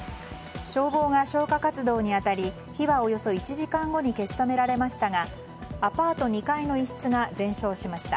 消防が消火活動に当たり火はおよそ１時間後に消し止められましたがアパート２階の一室が全焼しました。